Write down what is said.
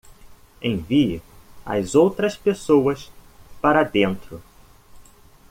Envie as outras pessoas para dentro.